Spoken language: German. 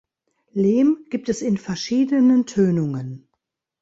Lehm gibt es in verschiedenen Tönungen.